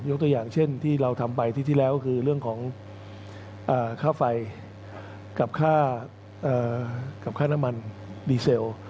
ตัวอย่างเช่นที่เราทำไปที่ที่แล้วคือเรื่องของค่าไฟกับค่ากับค่าน้ำมันดีเซล